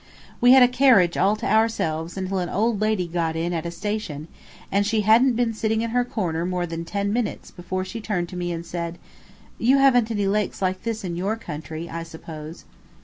We had a carriage all to ourselves until an old lady got in at a station, and she hadn't been sitting in her corner more than ten minutes before she turned to me and said: "You haven't any lakes like this in your country, I suppose."